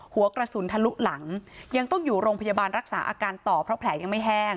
หัวกระสุนทะลุหลังยังต้องอยู่โรงพยาบาลรักษาอาการต่อเพราะแผลยังไม่แห้ง